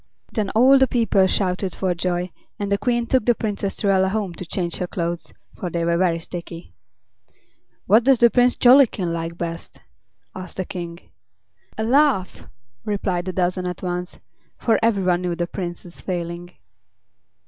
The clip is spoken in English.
Then all the people shouted for joy and the Queen took the Princess Truella home to change her clothes, for they were very sticky. "What does the Prince Jollikin like best?" asked the King. "A laugh!" replied a dozen at once, for every one knew the Prince's failing.